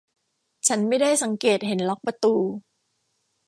ฉันไม่ได้สังเกตเห็นล็อคประตู